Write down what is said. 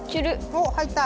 おっ入った！